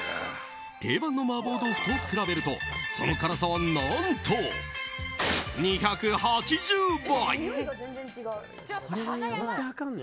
定番の麻婆豆腐と比べるとその辛さは、何と２８０倍。